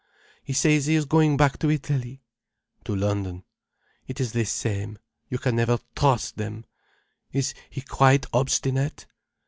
"He says he is going back to Italy?" "To London." "It is the same. You can never trust them. Is he quite obstinate?"